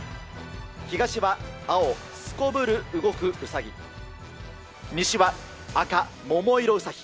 東は青、すこぶる動くウサギ、西は赤、桃色ウサヒ。